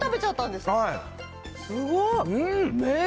すごい。